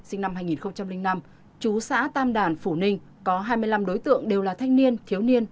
sinh năm hai nghìn năm chú xã tam đàn phủ ninh có hai mươi năm đối tượng đều là thanh niên thiếu niên